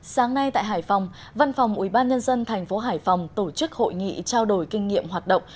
sáng nay tại hải phòng văn phòng ubnd tp hải phòng tổ chức hội nghị trao đổi kinh nghiệm hoạt động